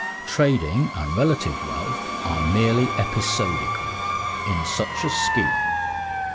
Trading and relative wealth are merely episodical in such a scheme.